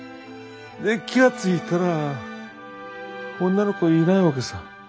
で気が付いたら女の子がいないわけさ。